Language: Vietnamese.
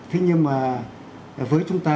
thế nhưng mà với chúng ta